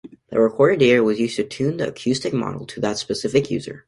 The recorded data was used to tune the acoustic model to that specific user.